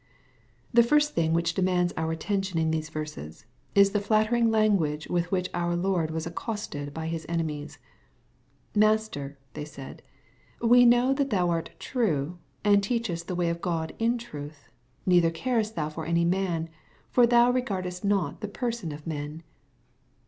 The first thing which demands our attention in these verses, is thejlattering language with which our Lord toa» accosted by His enemies. " Master,'' they said, " we know that thou art true, and teachest the way of God in truth, neither carest thou for any man ; for thou regardest not the person of men."